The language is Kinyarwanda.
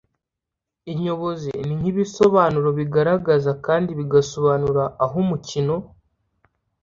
inyobozi: ni nk’ibisobanuro bigaragaza kandi bigasobanura aho umukino